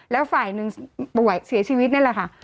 แล้วฝ่ายหนึ่งป่วยเสียชีวิตนี่แหละค่ะ